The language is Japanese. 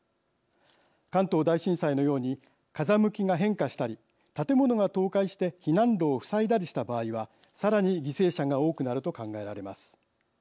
関東大震災のように風向きが変化したり建物が倒壊して避難路を塞いだりした場合はさらに犠牲者が多くなると考えられます。